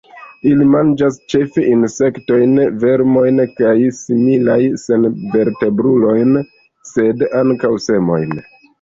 Ili manĝas ĉefe insektojn, vermojn kaj similajn senvertebrulojn, sed ankaŭ semojn.